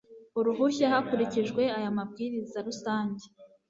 uruhushya hakurikijwe aya mabwiriza rusange